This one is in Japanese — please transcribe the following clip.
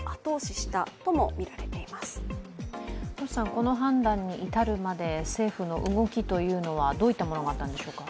この判断に至るまで政府の動きというのはどういったものがあったんでしょうか？